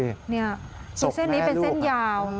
นี่เส้นนี้เป็นเส้นยาว